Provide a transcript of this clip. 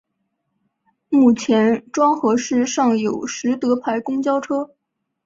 目前庄河市尚有实德牌公交车。